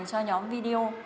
cho nhóm video